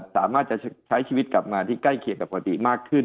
สามารถจะใช้ชีวิตกลับมาที่ใกล้เคียงกับปกติมากขึ้น